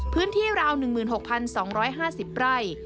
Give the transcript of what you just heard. พื้นที่ราว๑๖๒๕๐ไร่